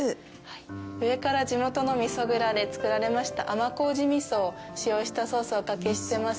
上から地元の味噌蔵で造られました甘こうじ味噌を使用したソースお掛けしてます。